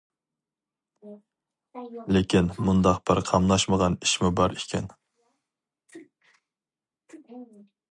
لېكىن، مۇنداق بىر قاملاشمىغان ئىشمۇ بار ئىكەن.